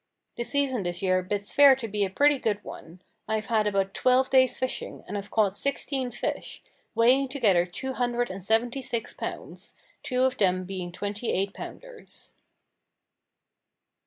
The season this year bids fair to be a pretty good one. I have had about twelve days' fishing, and have caught sixteen fish, weighing together two hundred and seventy six pounds, two of them being twenty eight pounders.